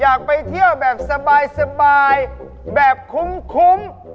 อยากไปเที่ยวแบบสบายแบบคุ้ม